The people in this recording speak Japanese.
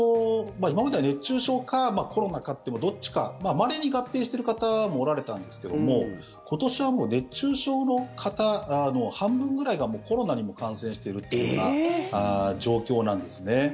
今までは熱中症かコロナかどっちかまれに合併してる方もおられたんですけども今年はもう熱中症の方の半分ぐらいがもうコロナにも感染しているというような状況なんですね。